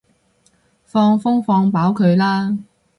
放風放飽佢啦